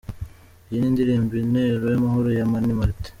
Iyi ni indirimbo ’Intero y’Amahoro’ ya Mani Martin:.